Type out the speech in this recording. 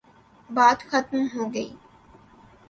بات ختم ہو گئی۔